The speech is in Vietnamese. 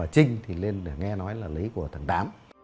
trinh lên lấy của thằng tám